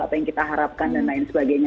apa yang kita harapkan dan lain sebagainya